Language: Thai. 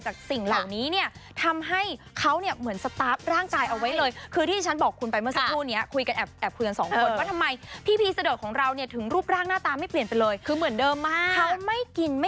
ตั้งแต่ว่าออกเทปชุดแรกเพลงแรกจนตอนนี้ต่างกันที่เหล็กดัดฟันอย่างเดียว